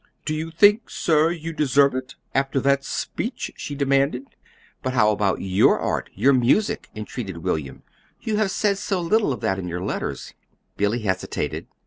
"Do you think, sir, you deserve it, after that speech?" she demanded. "But how about YOUR art your music?" entreated William. "You have said so little of that in your letters." Billy hesitated.